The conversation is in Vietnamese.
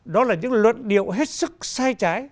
đó là những luận điệu hết sức sai trái